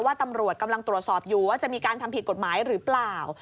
ตำรวจกำลังตรวจสอบอยู่ว่าจะมีการทำผิดกฎหมายหรือเปล่า